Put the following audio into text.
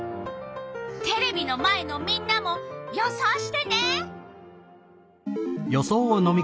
テレビの前のみんなも予想してね。